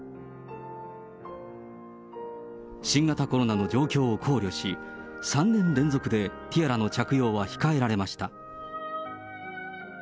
新型コロナの状況を考慮し、３年連続でティアラの着用は控えられました。